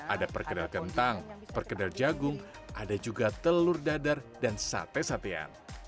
ada perkedel kentang perkedel jagung ada juga telur dadar dan sate satean